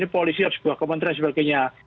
polisi harus berkomentari sebagainya